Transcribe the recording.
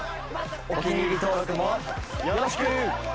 お気に入り登録もよろしく！